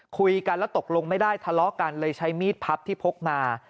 คุยกันแล้วตกลงไม่ได้ทะเลาะกันเลยใช้มีดพับที่พกมา